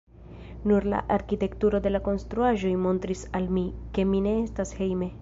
Nur la arkitekturo de la konstruaĵoj montris al mi, ke mi ne estas hejme.